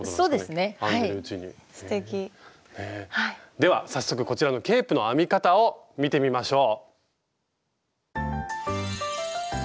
では早速こちらのケープの編み方を見てみましょう。